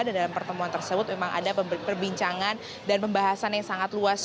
dan dalam pertemuan tersebut memang ada perbincangan dan pembahasan yang sangat luas